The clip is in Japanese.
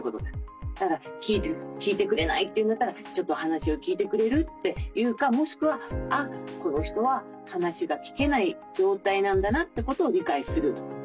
だから「聞いてくれない」って言うんだったら「ちょっと話を聞いてくれる？」って言うかもしくは「あっこの人は話が聞けない状態なんだな」ってことを理解する。